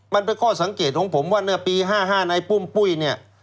มันเป็นข้อสังเกตของผมว่าเมื่อปี๕๕ในปุ้มปุ้ยเนี่ย